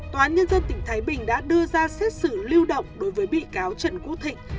tòa án nhân dân tỉnh thái bình đã đưa ra xét xử lưu động đối với bị cáo trần quốc thịnh